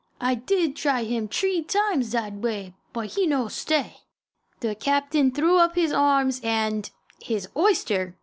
I did try him t'ree times zat way, but he no stay." The captain threw up his arms and his oyster!